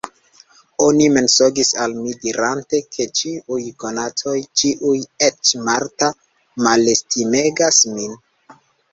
Oni mensogis al mi, dirante, ke ĉiuj konatoj, ĉiuj, eĉ Marta, malestimegas min.